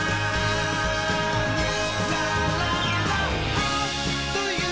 「あっというまっ！